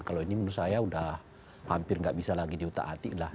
kalau ini menurut saya sudah hampir nggak bisa lagi diutak atik lah